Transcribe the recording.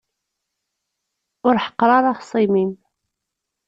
Ur ḥeqqeṛ ara axṣim-im.